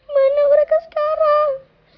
mana mereka sekarang